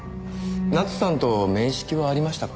奈津さんと面識はありましたか？